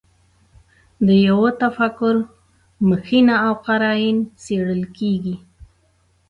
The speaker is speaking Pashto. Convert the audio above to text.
د یوه تفکر مخینه او قراین څېړل کېږي.